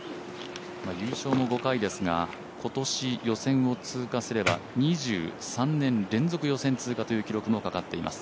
優勝も５回ですが、今年予選を通過すれば２３年連続予選通過という記録もかかっています。